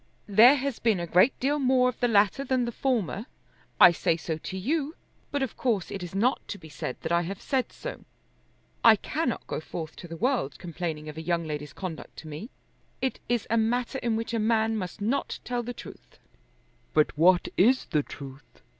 "There has been a great deal more of the latter than the former. I say so to you, but of course it is not to be said that I have said so. I cannot go forth to the world complaining of a young lady's conduct to me. It is a matter in which a man must not tell the truth." "But what is the truth?"